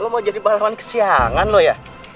lo mau jadi pahlawan kesiangan loh ya